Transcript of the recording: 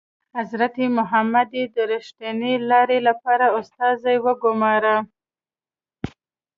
حضرت محمد یې د ریښتینې لارې لپاره استازی وګوماره.